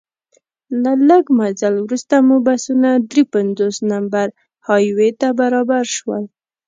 له لږ مزل وروسته مو بسونه درې پنځوس نمبر های وې ته برابر شول.